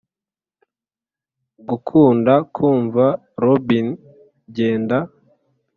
gukunda kumva robin genda